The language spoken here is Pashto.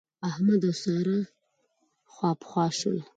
احمد او سارا خواپخوا شول.